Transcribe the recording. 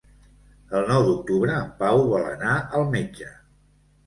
El nou d'octubre en Pau vol anar al metge.